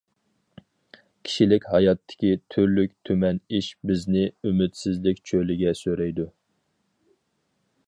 كىشىلىك ھاياتتىكى تۈرلۈك-تۈمەن ئىش بىزنى ئۈمىدسىزلىك چۆلىگە سۆرەيدۇ.